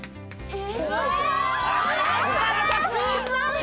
え！